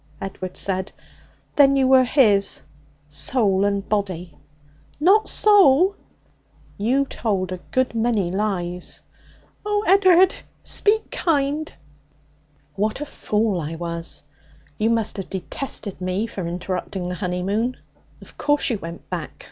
Edward said. 'Then you were his soul and body?' 'Not soul!' 'You told a good many lies.' 'Oh, Ed'ard, speak kind!' 'What a fool I was! You must have detested me for interrupting the honeymoon. Of course you went back!